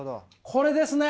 これですね。